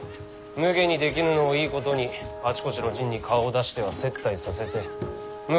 無下にできぬのをいいことにあちこちの陣に顔を出しては接待させて昔の自慢話をしとるらしい。